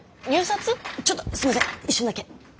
ちょっとすいません一瞬だけ！